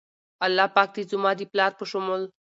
الله پاک د زما د پلار په شمول